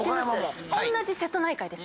おんなじ瀬戸内海です。